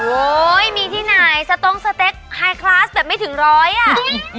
มีที่ไหนสต๊งสเต็กไฮคลาสแบบไม่ถึงร้อยอ่ะ